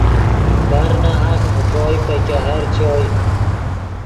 برناحق نے کوئے پے ګہر چوئے